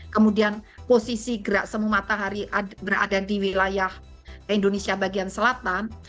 kemudian posisi gerak semu matahari berada di wilayah indonesia bagian selatan